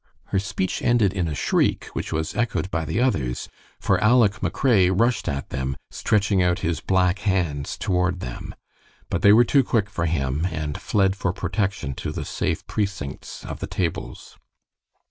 Her speech ended in a shriek, which was echoed by the others, for Aleck McRae rushed at them, stretching out his black hands toward them. But they were too quick for him, and fled for protection to the safe precincts of the tables.